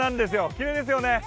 きれいですよね。